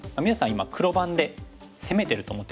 今黒番で攻めてると思って下さい。